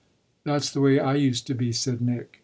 "That's the way I used to be," said Nick.